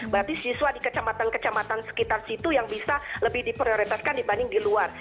berarti siswa di kecamatan kecamatan sekitar situ yang bisa lebih diprioritaskan dibanding di luar